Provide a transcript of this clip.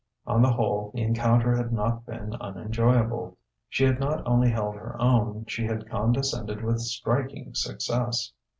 On the whole, the encounter had not been unenjoyable. She had not only held her own, she had condescended with striking success.